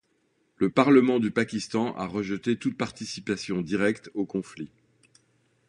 Le Parlement du Pakistan a rejeté toute participation directe au conflit.